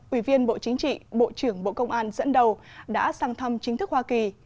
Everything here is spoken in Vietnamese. ủy viên bộ chính trị bộ trưởng bộ công an dẫn đầu đã sang thăm chính thức hoa kỳ